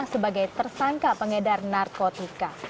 sebagai tersangka pengedar narkotika